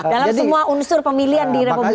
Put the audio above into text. dalam semua unsur pemilihan di republik ini